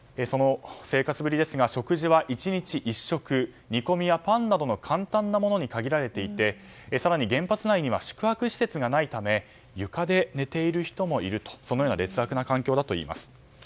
その生活ぶりですが食事は１日１食煮込みやパンなどの簡単なものに限られていて更に、原発内には宿泊施設がないため床で寝ている人もいるという劣悪な環境だといいます。